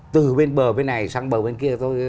từ bên bờ bên này sang bờ bên kia thôi